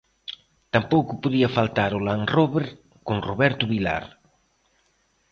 Tampouco podía faltar o Land Rober, con Roberto Vilar.